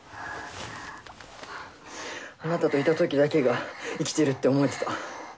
あなたといたときだけが生きてるって思えてた。